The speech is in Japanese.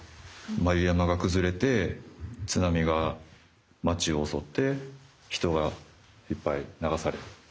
眉山がくずれて津波が街をおそって人がいっぱい流され。